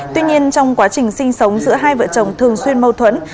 tuy nhiên trong quá trình sinh sống giữa hai vợ chồng thường xuyên mâu thuẫn